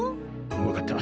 わかった。